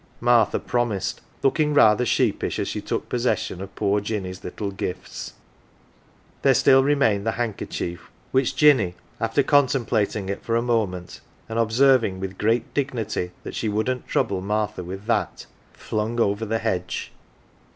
Martha promised, looking rather sheepish as she took possession of poor Jinny's little gifts. There still re mained the handkerchief which Jinny, after contemplat ing it for a moment and observing with great dignity that she wouldn't trouble Martha with that, flung over the hedge.